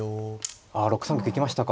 ああ６三玉行きましたか。